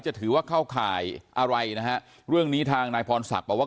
จะถือว่าเข้าข่ายอะไรนะฮะเรื่องนี้ทางนายพรศักดิ์บอกว่า